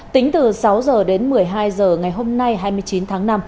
tính từ sáu h đến một mươi hai h ngày hôm nay hai mươi chín tháng năm